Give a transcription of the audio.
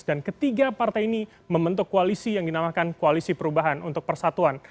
ketiga partai ini membentuk koalisi yang dinamakan koalisi perubahan untuk persatuan